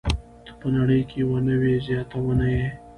ته په نړۍ کې یوه نوې زياتونه يې.